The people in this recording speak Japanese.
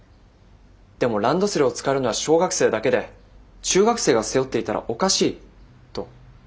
でもランドセルを使えるのは小学生だけで中学生が背負っていたらおかしいと。